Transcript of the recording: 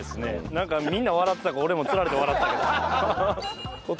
なんかみんな笑ってたから俺もつられて笑ったけど。